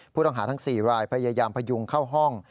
ผู้ต้องหาทั้ง๔รายพยายามพยุงเข้าห้อง